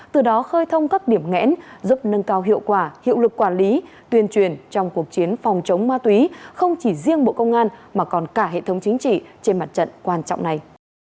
từ đó khơi thông các điểm ngẽn giúp nâng cao hiệu quả hiệu lực quản lý tuyên truyền trong cuộc chiến phòng chống ma túy không chỉ riêng bộ công an mà còn cả hệ thống chính trị trên mặt trận quan trọng này